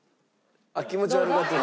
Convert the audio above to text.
あっ気持ち悪がってる。